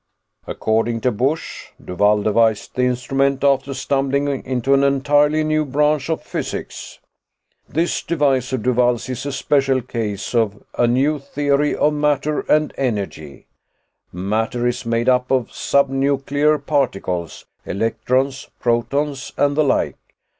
"According to Busch, Duvall devised the instrument after stumbling into an entirely new branch of physics. "This device of Duvall's is a special case of a new theory of matter and energy. Matter is made up of subnuclear particles electrons, protons and the like.